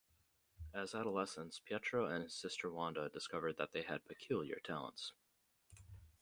As adolescents Pietro and his sister Wanda discovered that they had peculiar talents.